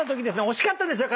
惜しかったですよ